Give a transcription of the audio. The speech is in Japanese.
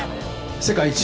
世界一。